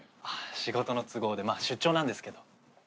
仕事の都合でまあ出張なんですけど。